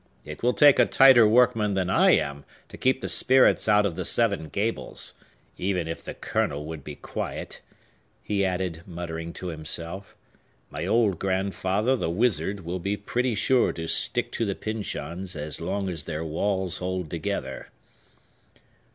It will take a tighter workman than I am to keep the spirits out of the Seven Gables. Even if the Colonel would be quiet," he added, muttering to himself, "my old grandfather, the wizard, will be pretty sure to stick to the Pyncheons as long as their walls hold together."